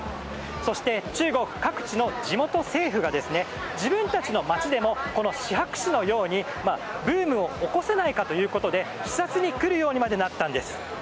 そして、中国各地の地元政府が自分たちの町でもシハク市のようにブームを起こせないかと視察に来るようになったんです。